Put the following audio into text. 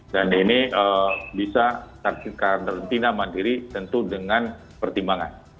dan ini bisa karantina mandiri tentu dengan pertimbangan